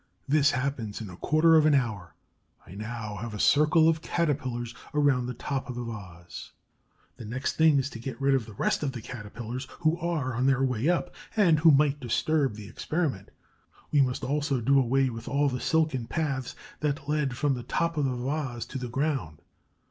This happens in a quarter of an hour. I now have a circle of Caterpillars around the top of the vase. The next thing is to get rid of the rest of the Caterpillars who are on their way up and who might disturb the experiment; we must also do away with all the silken paths that lead from the top of the vase to the ground.